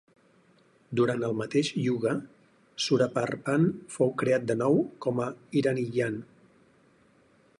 Durant el mateix Yuga, Suraparppan fou creat de nou com a Iraniyan.